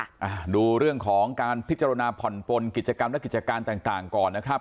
อ่าดูเรื่องของการพิจารณาผ่อนปนกิจกรรมและกิจการต่างต่างก่อนนะครับ